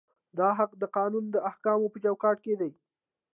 دا حق د قانون د احکامو په چوکاټ کې دی.